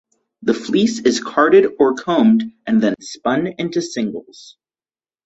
The fleece is carded or combed and then spun into singles.